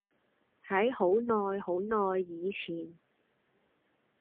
喺好耐好耐以前